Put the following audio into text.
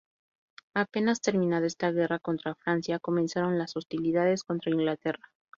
Apenas terminada esta guerra contra Francia, comenzaron las hostilidades contra Inglaterra.